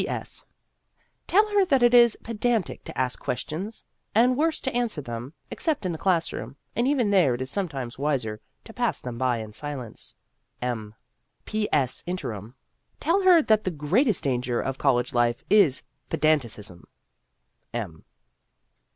P. S. Tell her that it is pedantic to ask ques tions, and worse to answer them, except in the classroom, and even there it is sometimes wiser to pass them by in silence. M. P. S. iterum. Tell her that the greatest danger of college life is pedanticism.